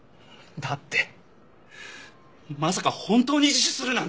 だってまさか本当に自首するなんて！